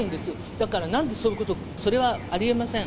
だから、なんでそういうこと、それはありえません。